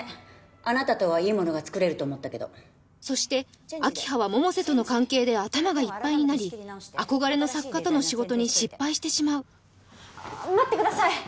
あなたとはいいものが作れると思ったけどそして明葉は百瀬との関係で頭がいっぱいになり憧れの作家との仕事に失敗してしまう待ってください！